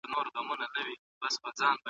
خپلي څېړني ته پوره پام وکړئ.